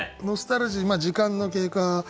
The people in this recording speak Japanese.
ノスタルジー時間の経過